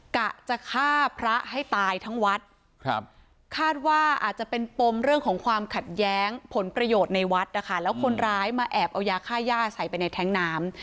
กะจะฆ่าพระให้ตายทั้งวัดครับคาดว่าอาจจะเป็นปมเรื่องของความขัดแย้งผลประโยชน์ในวัดนะคะแล้วคนร้ายมาแอบเอายาค่าย่าใส่ไปในแท้งน้ำ